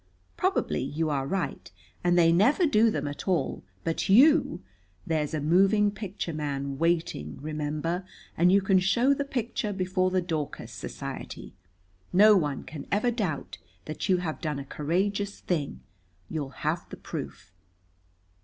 Probably you are right, and they never do them at all, but you there's a moving picture man waiting, remember, and you can show the picture before the Dorcas Society. No one can ever doubt that you have done a courageous thing. You'll have the proof."